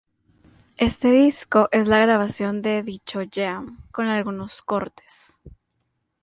Este disco es la grabación de dicho jam, con algunos cortes.